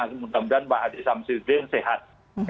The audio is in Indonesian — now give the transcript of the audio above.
semoga pak haji sabzudin sehat